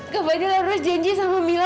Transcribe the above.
kak fadil harus janji sama mila